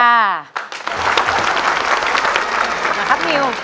มาครับนิว